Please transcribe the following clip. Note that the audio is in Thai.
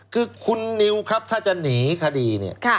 คืคือคุณนิวครับถ้าจะหนีคดี